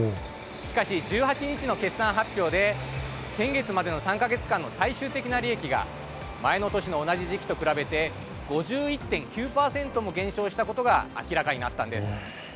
しかし、１８日の決算発表で先月までの３か月間の最終的な利益が前の年の同じ時期と比べて５１．９％も減少したことが明らかになったんです。